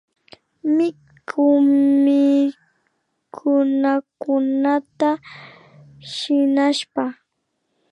Mikunakunata shinashpa